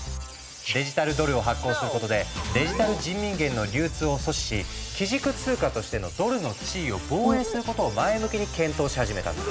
デジタルドルを発行することでデジタル人民元の流通を阻止し基軸通貨としてのドルの地位を防衛することを前向きに検討し始めたんだ。